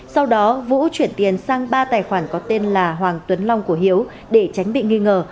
sau đó vũ chuyển tiền sang ba tài khoản có tên là hoàng tuấn long của hiếu để tránh bị nghi ngờ